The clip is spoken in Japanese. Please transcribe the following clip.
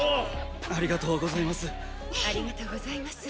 ありがとうございます！